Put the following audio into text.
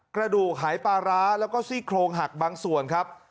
กระดูกหายปลาร้าแล้วก็ซี่โครงหักบางส่วนครับ